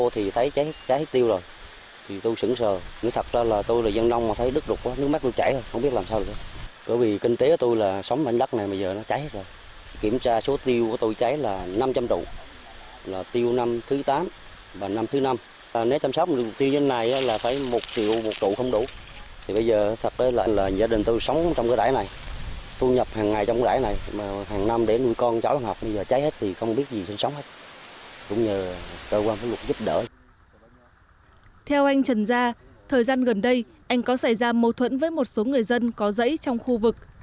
theo anh trần gia thời gian gần đây anh có xảy ra mâu thuẫn với một số người dân có dãy trong khu vực